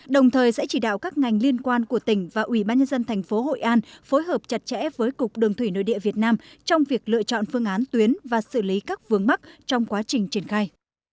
đồng thời sẽ chỉ đạo các ngành liên quan của tỉnh và ủy ban nhân dân thành phố hội an phối hợp chặt chẽ với cục đường thủy nội địa việt nam trong việc lựa chọn phương án tuyến và xử lý các vướng mắc trong quá trình triển khai